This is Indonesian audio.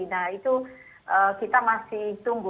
nah itu kita masih tunggu